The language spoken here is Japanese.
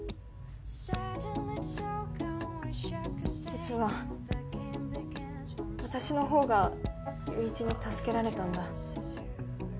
実は私のほうが友一に助けられたんだ。